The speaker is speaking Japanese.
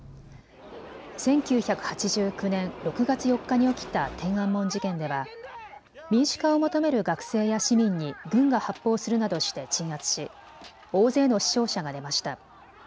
１９８９年６月４日に起きた天安門事件では民主化を求める学生や市民に軍が発砲するなどして鎮圧し大勢の死傷者が出ました。